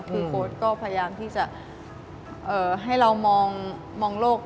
คือโค้ดก็พยายามที่จะให้เรามองโลก